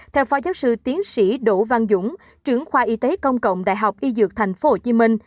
theo phó giáo sư tiến sĩ đỗ văn dũng trưởng khoa y tế công cộng đại học y dược tp hcm